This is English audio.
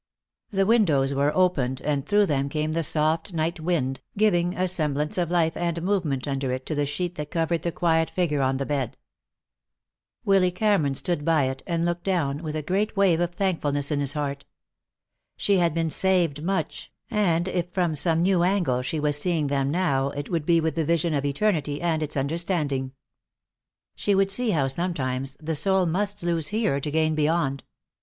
The windows were opened, and through them came the soft night wind, giving a semblance of life and movement under it to the sheet that covered the quiet figure on the bed. Willy Cameron stood by it and looked down, with a great wave of thankfulness in his heart. She had been saved much, and if from some new angle she was seeing them now it would be with the vision of eternity, and its understanding. She would see how sometimes the soul must lose here to gain beyond.